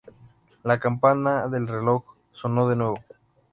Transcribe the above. La campana del reloj sonó de nuevo.